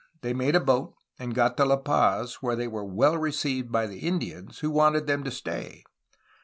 They made a boat and got to La Paz, where they were well received by the Indians, who wanted them to stay.